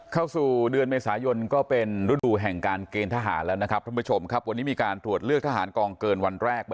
เข้าสู่เดือนเมษายนก็เป็นฤดูให้การเกณฑ์ทหาลและครับ